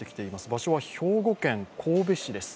場所は兵庫県神戸市です。